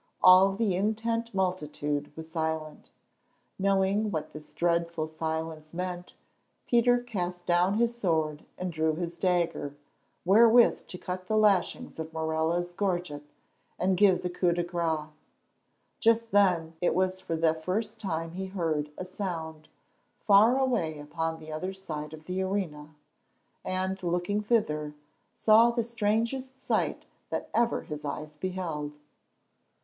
All the intent multitude was silent. Knowing what this dreadful silence meant, Peter cast down his sword and drew his dagger, wherewith to cut the lashings of Morella's gorget and give the coup de grâce. Just then it was that for the first time he heard a sound, far away upon the other side of the arena, and, looking thither, saw the strangest sight that ever his eyes beheld.